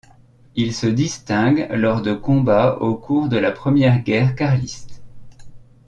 Il se distingue lors de combats au cours de la première guerre carliste.